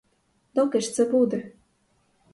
Доки ж це буде?